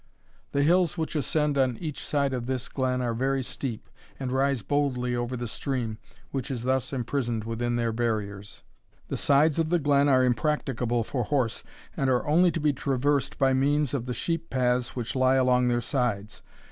The hills which ascend on each side of this glen are very steep, and rise boldly over the stream, which is thus imprisoned within their barriers. The sides of the glen are impracticable for horse, and are only to be traversed by means of the sheep paths which lie along their sides.